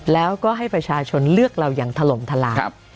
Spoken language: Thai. แล้วก็ให้ประชาชนเลือกเราอย่างถล่มทลาย